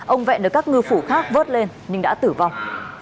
ông vẹn được các ngư phủ khác vớt lên nhưng đã tử vong